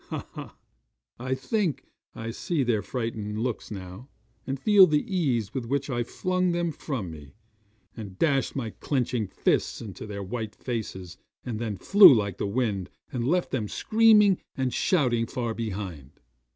Ha! ha! I think I see their frightened looks now, and feel the ease with which I flung them from me, and dashed my clenched fist into their white faces, and then flew like the wind, and left them screaming and shouting far behind.